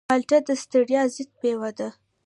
مالټه د ستړیا ضد مېوه ده.